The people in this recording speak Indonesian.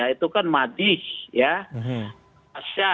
itu kan madis